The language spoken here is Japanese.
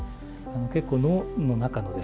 結構脳の中のですね